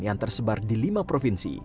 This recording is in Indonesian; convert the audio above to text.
yang tersebar di lima provinsi